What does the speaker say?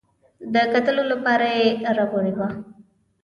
د کتلو لپاره یې راوړې وه.